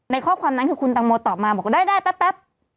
ข้อความนั้นคือคุณตังโมตอบมาบอกว่าได้แป๊บ